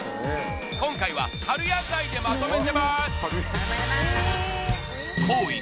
今回は春野菜でまとめてます！